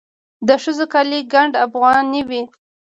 د ښځو کالي ګنډ افغاني وي.